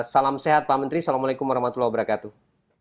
salam sehat pak menteri assalamualaikum warahmatullahi wabarakatuh